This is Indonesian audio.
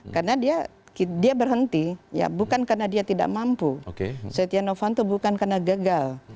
karena dia berhenti bukan karena dia tidak mampu setia novanto bukan karena gagal